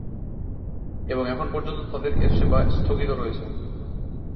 এবং এখন পর্যন্ত তাদের এ সেবা স্থগিত রয়েছে।